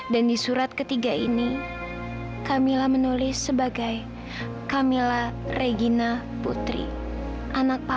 dan di surat ketiga ini kamila menulis sebagai kamila regina putri anak papa